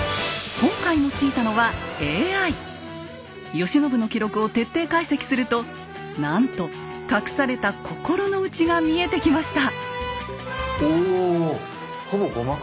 慶喜の記録を徹底解析するとなんと隠された心の内が見えてきました。